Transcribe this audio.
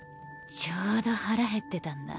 ちょうど腹減ってたんだ。